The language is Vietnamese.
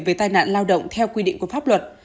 về tai nạn lao động theo quy định của pháp luật